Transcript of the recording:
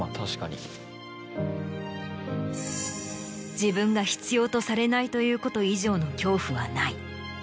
自分が必要とされないということ以上の恐怖はない。